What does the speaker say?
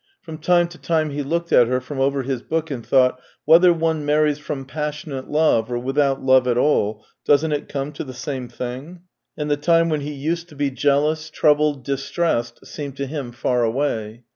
From time to time he looked at her from over his book and thought :" Whether one marries from passionate love, or without love at all, doesn't it come to the same thing ?" And the time when he used to be jealous, troubled, dis tressed, seemed to him far away.